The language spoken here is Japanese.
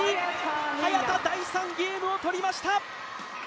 早田、第３ゲームをとりました！